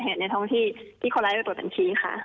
เกิดเหตุในท้องที่คอลไลด์เป็นตัวบัญชีค่ะ